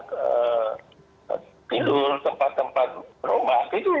itu tidak seimbang nantinya